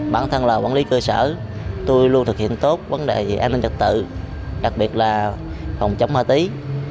bản thân là quản lý cơ sở tôi luôn thực hiện tốt vấn đề về an ninh trật tự đặc biệt là phòng chống ma túy